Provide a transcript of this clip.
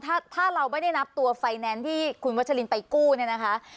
ถ้าถ้าเราไม่ได้นับตัวไฟแนนซ์ที่คุณวัชลินไปกู้เนี่ยนะคะ